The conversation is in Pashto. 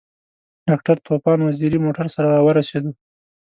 ډاکټر طوفان وزیری موټر سره راورسېد.